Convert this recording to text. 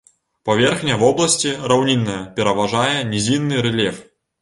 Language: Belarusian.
Паверхня вобласці раўнінная, пераважае нізінны рэльеф.